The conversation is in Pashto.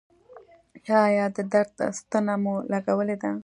ایا د درد ستنه مو لګولې ده؟